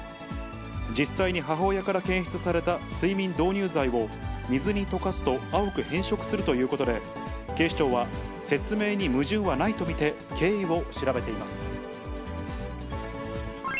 実際に母親から検出された睡眠導入剤を、水に溶かすと青く変色するということで、警視庁は説明に矛盾はないと見て、経緯を調べています。